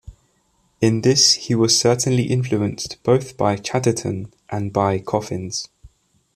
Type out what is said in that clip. In this he was certainly influenced both by Chatterton and by Coffins.